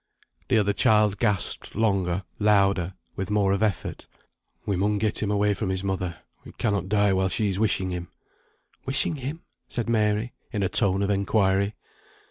The other child gasped longer, louder, with more of effort. "We mun get him away from his mother. He cannot die while she's wishing him." "Wishing him?" said Mary, in a tone of inquiry.